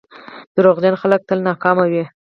• دروغجن خلک تل ناکام وي.